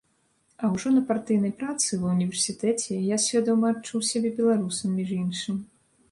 А ўжо на партыйнай працы, ва ўніверсітэце, я свядома адчуў сябе беларусам, між іншым.